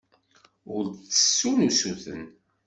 Ur d-ttessun usuten.